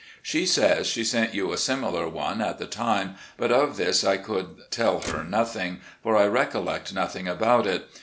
She says she sent you a similar one at the time, but of this I could tell her nothing, for I recollect nothing about it.